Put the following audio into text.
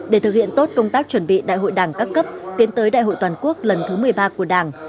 để thực hiện tốt công tác chuẩn bị đại hội đảng các cấp tiến tới đại hội toàn quốc lần thứ một mươi ba của đảng